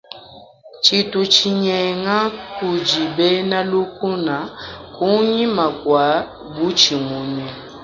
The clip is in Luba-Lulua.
Tshintu tshinyenga kudi bena lukuna kunyima kua butshimunyi.